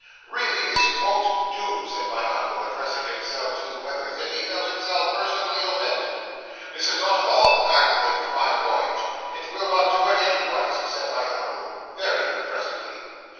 "Really, this won't do," said my uncle, addressing himself to the weather, as if he felt himself personally offended. "This is not at all the kind of thing for my voyage. It will not do at any price," said my uncle, very impressively.